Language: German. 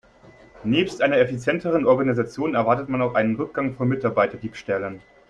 Nebst einer effizienteren Organisation erwartet man auch einen Rückgang von Mitarbeiterdiebstählen.